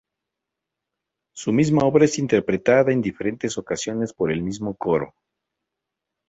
Su misma obra es interpretada en diferentes ocasiones por el mismo coro.